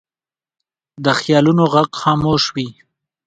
د خیالونو غږ خاموش وي